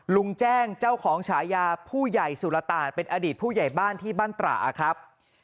ลุงแจ้งเจ้าของฉายาผู้ใหญ่สุรตาศเป็นอดีตผู้ใหญ่บ้านที่บ้านตระครับ